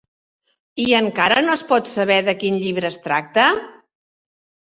I encara no es pot saber de quin llibre es tracta?